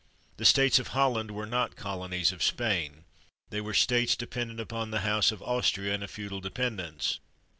The states of Holland were not colonies of Spain; they were states dependent upon the house of Austria in a feudal dependence.